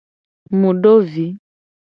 Mu do vi.